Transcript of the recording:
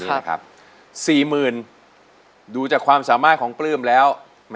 ๔๐๐๐๐บาทดูจากความสามารถของปลื้มแล้ว